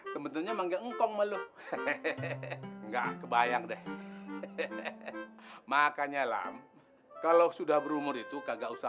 kebetulannya manggil ngkong malu enggak kebayang deh makanya lam kalau sudah berumur itu kagak